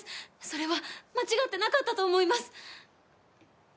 それは間違ってなかったと思います。